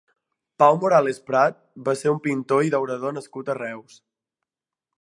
Pau Morales Prat va ser un pintor i daurador nascut a Reus.